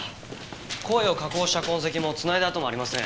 声を加工した痕跡もつないだ跡もありません。